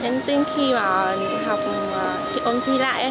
nên khi mà học thi ôn thi lại